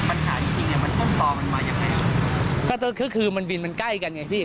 มันต้มต่อมันมาอย่างไงก็คือคือคือมันวินมันใกล้กันไงพี่